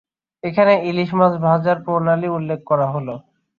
এখানে ইলিশ মাছ ভাজার প্রণালী উল্লেখ করা হলো।